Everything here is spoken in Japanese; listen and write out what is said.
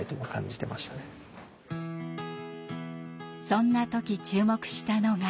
そんな時注目したのが。